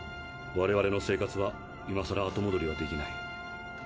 我々の生活は今さら後もどりはできない。